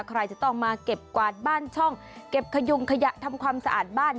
ใครจะต้องมาเก็บกวาดบ้านช่องเก็บขยุงขยะทำความสะอาดบ้าน